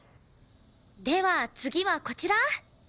では次はこちら。